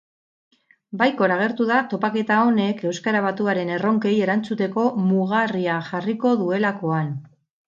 Baikor agertu da topaketa honek euskara batuaren erronkei erantzuteko mugarria jarriko duelakoan.